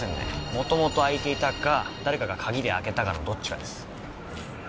もともと開いていたか誰かが鍵で開けたかのどっちかです。